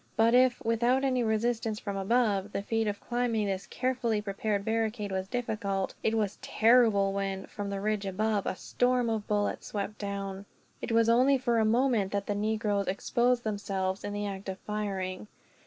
But if, without any resistance from above, the feat of climbing this carefully prepared barricade was difficult; it was terrible when, from the ridge above, a storm of bullets swept down. It was only for a moment that the negroes exposed themselves, in the act of firing.